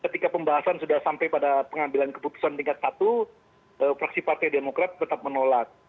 ketika pembahasan sudah sampai pada pengambilan keputusan tingkat satu fraksi partai demokrat tetap menolak